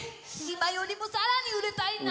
今よりもさらに売れたいな！